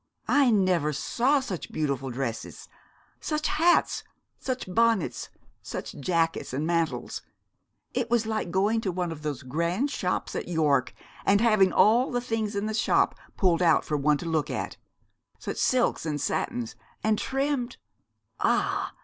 I never saw such beautiful dresses such hats such bonnets such jackets and mantles. It was like going into one of those grand shops at York, and having all the things in the shop pulled out for one to look at such silks and satins and trimmed ah!